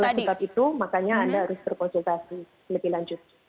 karena sebab itu makanya anda harus berkonsultasi lebih lanjut